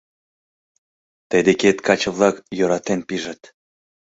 Тый декет каче-влак йӧратен пижыт.